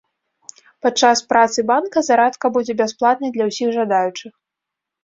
Падчас працы банка зарадка будзе бясплатнай для ўсіх жадаючых.